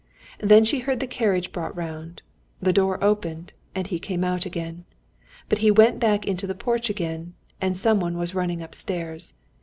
Then she heard the carriage brought round, the door opened, and he came out again. But he went back into the porch again, and someone was running upstairs.